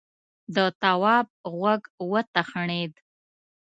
د تواب غوږ وتخڼيد: